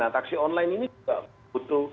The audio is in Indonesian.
taksi online ini juga butuh